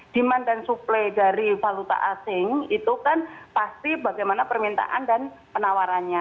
demand dan suplai dari valuta asing itu kan pasti bagaimana permintaan dan penawarannya